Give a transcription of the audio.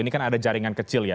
ini kan ada jaringan kecil ya